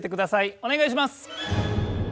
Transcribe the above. お願いします。